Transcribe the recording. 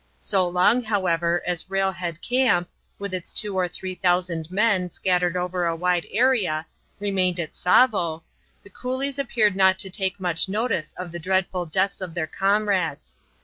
So long, however, as Railhead Camp with its two or three thousand men, scattered over a wide area remained at Tsavo, the coolies appeared not to take much notice of the dreadful deaths of their comrades.